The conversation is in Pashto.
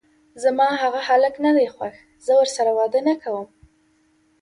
زما هغه هلک ندی خوښ، زه ورسره واده نکوم!